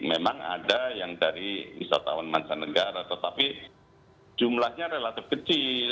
memang ada yang dari wisatawan mancanegara tetapi jumlahnya relatif kecil